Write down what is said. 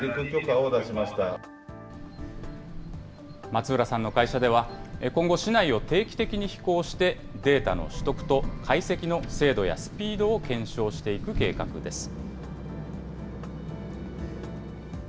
松浦さんの会社では、今後、市内を定期的に飛行して、データの取得と解析の精度やスピードを検証していく計画です。